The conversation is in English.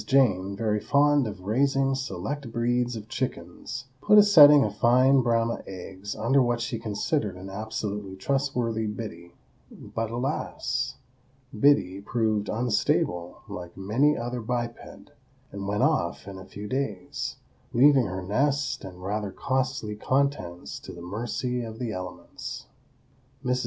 Jane, very fond of raising select breeds of chickens, put a setting of fine Brahma eggs under what she considered an absolutely trustworthy Biddy,—but, alas! Biddy proved unstable, like many another biped, and went off in a few days, leaving her nest and rather costly contents to the mercy of the elements. Mrs.